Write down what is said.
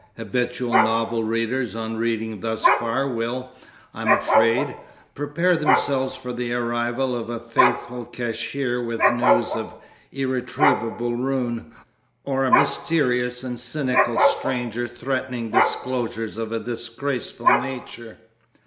Habitual novel readers on reading thus far will, I am afraid, prepare themselves for the arrival of a faithful cashier with news of irretrievable ruin, or a mysterious and cynical stranger threatening disclosures of a disgraceful nature.